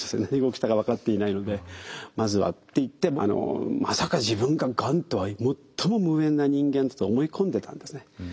何が起きたか分かっていないのでまずはって言ってまさか自分ががんとは最も無縁な人間だと思い込んでたんですね。